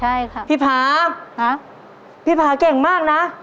ใช่ครับพี่ผาพี่ผาเก่งมากนะครับ